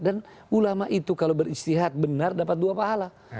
dan ulama itu kalau beristihad benar dapat dua pahala